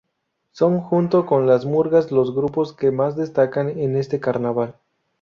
Son junto con las murgas los grupos que más destacan en este Carnaval.